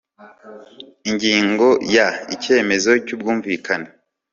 Ingingo ya Icyemezo cy ubwumvikane